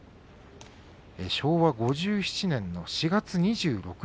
昭和５７年の４月２６日